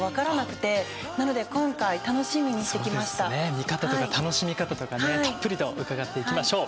見方とか楽しみ方とかねたっぷりと伺っていきましょう。